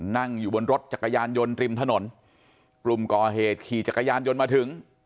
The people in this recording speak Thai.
นั่งอยู่บนรถจักรยานยนต์ริมถนนกลุ่มก่อเหตุขี่จักรยานยนต์มาถึง